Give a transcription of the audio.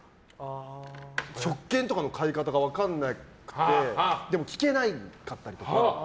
食券とかの買い方が分からなくてでも聞けなかったりとか。